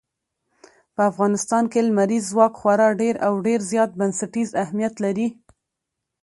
په افغانستان کې لمریز ځواک خورا ډېر او ډېر زیات بنسټیز اهمیت لري.